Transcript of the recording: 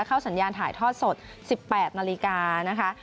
สัญญาณถ่ายทอดสด๑๘นาฬิกานะคะ